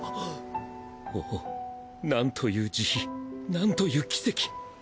おぉなんという慈悲なんという奇跡。